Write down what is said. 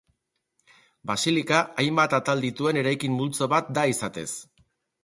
Basilika hainbat atal dituen eraikin multzo bat da izatez.